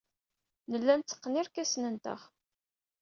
Nella netteqqen irkasen-nteɣ.